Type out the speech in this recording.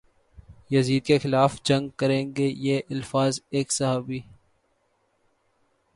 یزید کے خلاف جنگ کریں گے یہ الفاظ ایک صحابی